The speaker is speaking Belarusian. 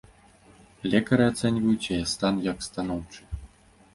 Лекары ацэньваюць яе стан як станоўчы.